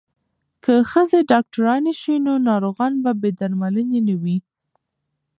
که ښځې ډاکټرانې شي نو ناروغان به بې درملنې نه وي.